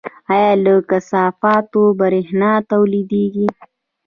آیا له کثافاتو بریښنا تولیدیږي؟